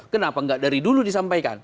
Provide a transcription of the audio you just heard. kenapa nggak dari dulu disampaikan